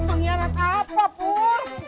pengkhianat apa pur